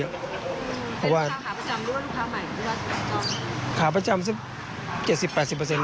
เป็นลูกค้าขาประจำหรือว่าลูกค้าใหม่หรือเป็นลูกค้าประจำ